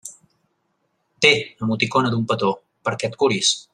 Té —emoticona d'un petó—, perquè et curis.